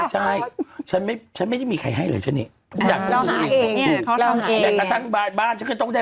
ไม่ใช่ฉันไม่ได้มีใครให้เลยฉันเอง